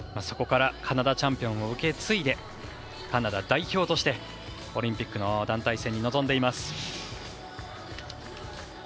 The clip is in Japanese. そこからカナダチャンピオンを受け継いでカナダ代表としてオリンピックの団体戦に臨んでいます。